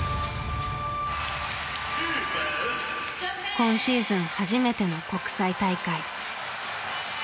今シーズン初めての国際大会。